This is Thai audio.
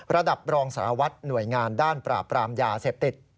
ระดับรองสาวัฒน์หน่วยงานด้านปราบรามยาเสพติศ